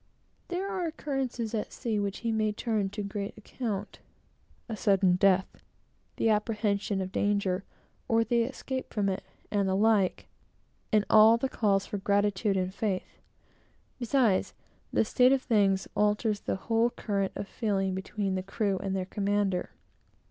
There are occurrences at sea which he may turn to great account, a sudden death, the apprehension of danger, or the escape from it, and the like; and all the calls for gratitude and faith. Besides, this state of thing alters the whole current of feeling between the crew and their commander.